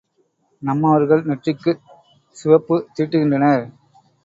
நம்மவர்கள் நெற்றிக்குச் சிவப்பு தீட்டுகின்றனர்.